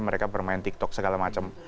mereka bermain tiktok segala macam